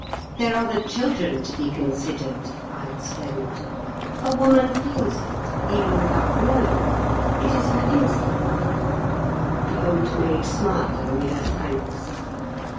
"There are the children to be considered," I explained. "A woman feels it even without knowing. It is her instinct." The Old Maid smiled on me her thanks.